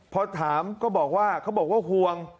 พอถามก็บอกว่าเขาบอกว่าห่วง